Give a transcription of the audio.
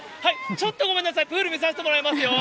ちょっとごめんなさい、プール見させてもらいますよ。